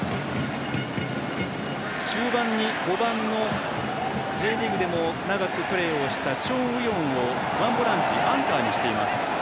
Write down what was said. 中盤に５番のＪリーグでも長くプレーしたチョン・ウヨンをワンボランチアンカーにしています。